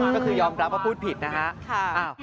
ก็คือยอมรับว่าพูดผิดนะฮะ